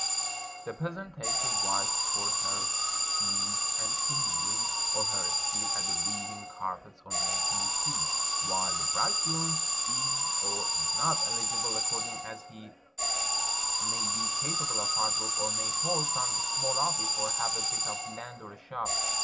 The peasant takes a wife for her thews and sinews, or her skill at weaving carpets or making cheese; while the bridegroom is or is not eligible according as he may be capable of hard work, or may hold some small office, or have a bit of land or a shop.